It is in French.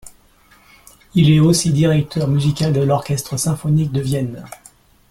Il est aussi directeur musical de l'Orchestre symphonique de Vienne.